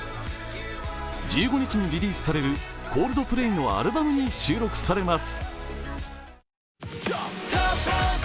１５日にリリースされるＣｏｌｄｐｌａｙのアルバムに収録されます。